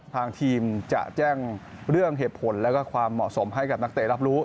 ทางทีมจะแจ้งเรื่องเหตุผลและความเหมาะสมให้กับนักเตะรับรู้